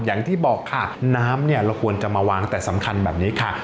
อย่างที่บอกค่ะน้ำเนี่ยเราควรจะมาวางแต่สำคัญแบบนี้ค่ะ